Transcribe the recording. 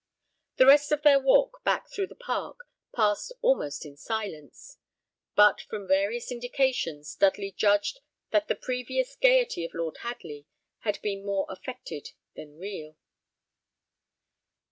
The rest of their walk back through the park passed almost in silence; but from various indications Dudley judged that the previous gaiety of Lord Hadley had been more affected than real.